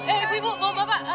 eh ibu bapak